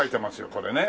これね。